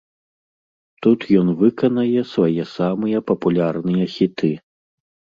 Тут ён выканае свае самыя папулярныя хіты.